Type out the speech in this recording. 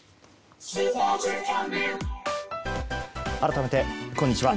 改めて、こんにちは。